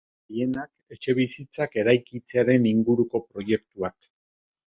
Gehienak etxebizitzak eraikitzearen inguruko proiektuak.